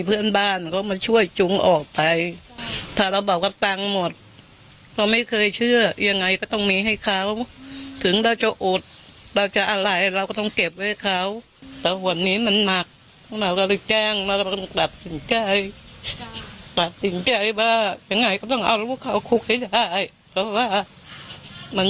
เพราะว่ามันจะได้ดีขึ้นมาบ้างอะไรมันจะออกมามันจะเห็นยุคอีกไหม